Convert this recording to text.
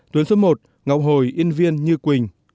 tuyến số một ngọc hồi yên viên như quỳnh